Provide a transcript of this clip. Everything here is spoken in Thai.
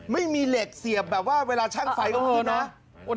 ไม่มีเหล็กเสียบแบบว่าเวลาช่างไฟจะหรือเปล่านั้น